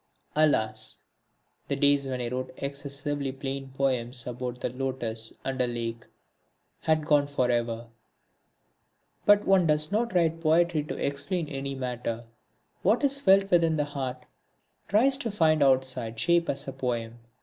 Alas! The days when I wrote excessively plain poems about The Lotus and A Lake had gone forever. But does one write poetry to explain any matter? What is felt within the heart tries to find outside shape as a poem.